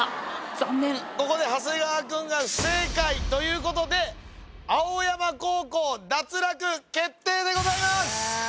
残念ここで長谷川くんが不正解ということで青山高校脱落決定でございますああ